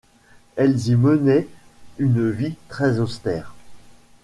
Elles y menaient une vie très austère.